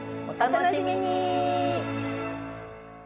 お楽しみに！